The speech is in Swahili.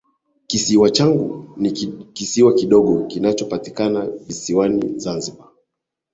Kisiwa changuu ni kisiwa kidogo kinachopatikana visiwani zanzibar